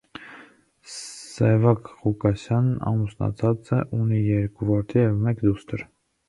Սևակ Ղուկասյանն ամուսնացած էր, ունի երկու որդի և մեկ դուստր։